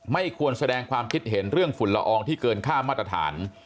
ไม่ควรแสดงความคิดเห็นเรื่องฝุ่นละอองที่เกินค่ามาตรฐาน